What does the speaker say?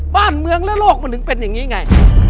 บ้านเมืองและโลกมันถึงเป็นอย่างนี้ไง